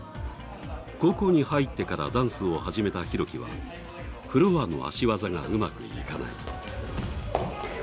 高校に入ってからダンスを始めたひろきはフロアの足技がうまくいかない。